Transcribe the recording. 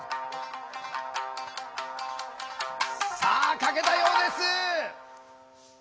書けたようです！